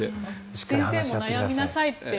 先生も悩みなさいって。